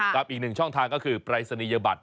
กับอีกหนึ่งช่องทางก็คือปรายศนียบัตร